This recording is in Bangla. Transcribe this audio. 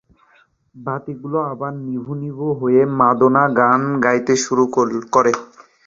বাতিগুলো আবার নিভু নিভু হতে মাদোনা গান গাইতে শুরু করে।